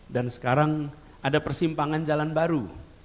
dan sekarang ada persimpangan jalan baru